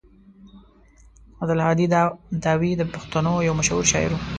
عبدالهادي داوي د پښتنو يو مشهور شاعر و.